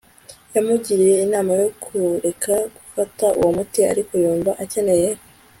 Yamugiriye inama yo kureka gufata uwo muti ariko yumva akeneye